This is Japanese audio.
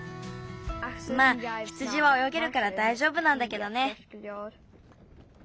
まあ羊はおよげるからだいじょうぶなんだけどね。